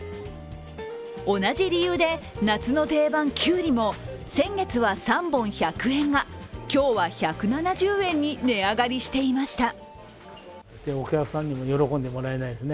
同じ理由で、夏の定番・きゅうりも先月は３本１００円が今日は１７０円に値上がりしていました。